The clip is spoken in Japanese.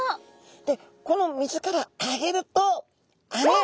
でこの水からあげるとあれ？